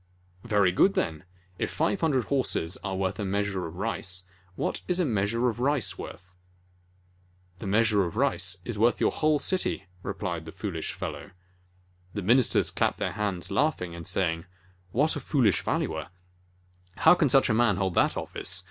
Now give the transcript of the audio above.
"Very good, then! If five hundred horses are worth a measure of rice, what is the measure of rice worth?" "The measure of rice is worth your whole city," replied the foolish fellow. 37 JATAKA TALES The ministers clapped their hands, laughing, and saying, "What a foolish Valuer! How can such a man hold that office?